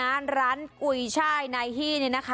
อย่าลืมมากินกูช่ายในที่นะครับขอบคุณครับ